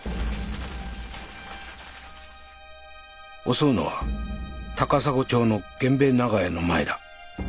襲うのは高砂町の源兵衛長屋の前だ。